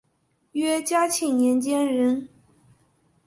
约嘉庆年间人。